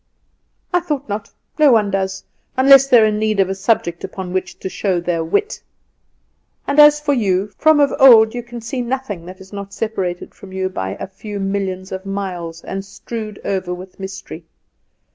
"I thought not. No one does, unless they are in need of a subject upon which to show their wit. And as for you, from of old you can see nothing that is not separated from you by a few millions of miles, and strewed over with mystery.